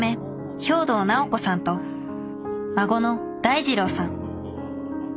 兵藤尚子さんと孫の大二郎さん。